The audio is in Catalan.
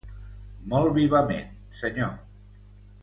Molt vivament, senyor.